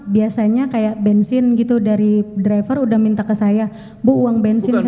biasanya kayak bensin gitu dari driver udah minta ke saya bu uang bensin